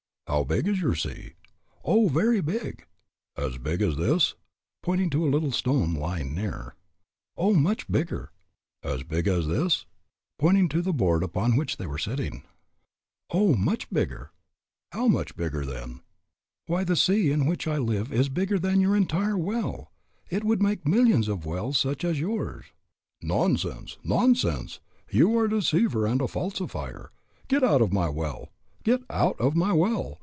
"How big is your sea?" "Oh, very big." "As big as this?" pointing to a little stone lying near. "Oh, much bigger." "As big as this?" pointing to the board upon which they were sitting. "Oh, much bigger." "How much bigger, then?" "Why, the sea in which I live is bigger than your entire well; it would make millions of wells such as yours." "Nonsense, nonsense; you are a deceiver and a falsifier. Get out of my well. Get out of my well.